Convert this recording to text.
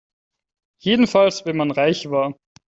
Jedenfalls wenn man reich war.